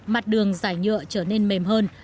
mặt đường giải nhựa trở nên mềm hơn